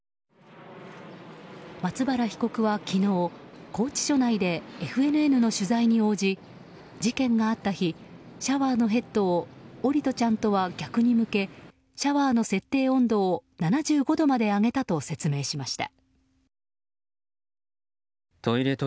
松原被告は昨日、拘置所内でＦＮＮの取材に応じ事件があった日シャワーのヘッドを桜利斗ちゃんとは逆に向けシャワーの設定温度を７５度まで上げたと説明しました。